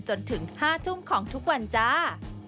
จนถึง๕ทุ่มของทุกวันจ้า